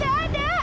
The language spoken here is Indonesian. trigalon gak ada